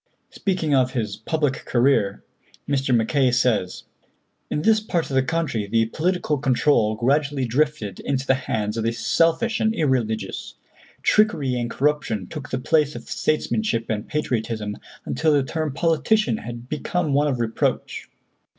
Speaking of his public career, Mr. Mackay says: "In this part of the country the political control gradually drifted into the hands of the selfish and irreligious. Trickery and corruption took the place of statesmanship and patriotism, until the term politician had become one of reproach.